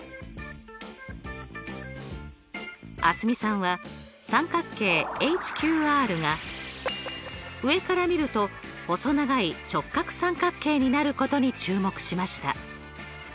蒼澄さんは三角形ＨＱＲが上から見ると細長い直角三角形になることに注目しました。